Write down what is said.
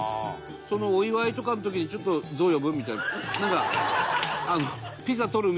そのお祝いとかの時に「ちょっとゾウ呼ぶ？」みたいななんか。